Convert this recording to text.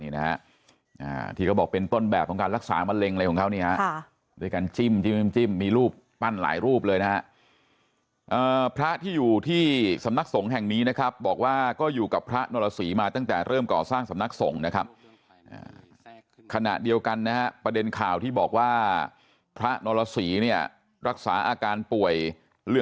นี่นะฮะที่เขาบอกเป็นต้นแบบของการรักษามะเร็งอะไรของเขาเนี่ยฮะด้วยการจิ้มมีรูปปั้นหลายรูปเลยนะฮะพระที่อยู่ที่สำนักสงฆ์แห่งนี้นะครับบอกว่าก็อยู่กับพระนรสีมาตั้งแต่เริ่มก่อสร้างสำนักสงฆ์นะครับขณะเดียวกันนะฮะประเด็นข่าวที่บอกว่าพระนรสีเนี่ยรักษาอาการป่วยเล